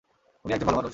উনি একজন ভালো মানুষ।